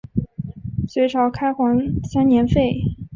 隋朝开皇三年废。